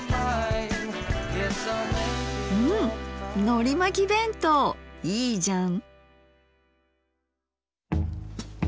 うんのりまき弁当いいじゃん。